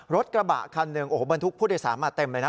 รถกระบะคันหนึ่งโอ้โหบรรทุกผู้โดยสารมาเต็มเลยนะ